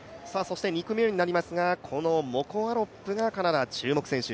２組目になりますが、モコ・アロップ、カナダ、注目選手。